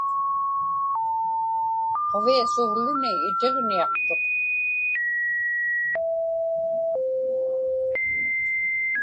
Quviasugluni itiġniaqtuq.